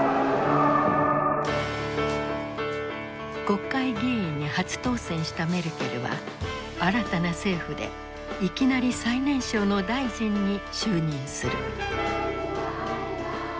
国会議員に初当選したメルケルは新たな政府でいきなり最年少の大臣に就任する。